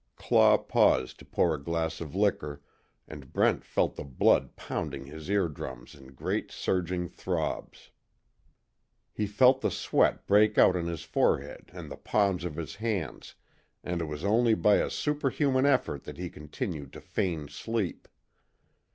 Claw paused to pour a glass of liquor, and Brent felt the blood pounding his eardrums in great surging throbs. He felt the sweat break out on his forehead and the palms of his hands, and it was only by a superhuman effort that he continued to feign sleep.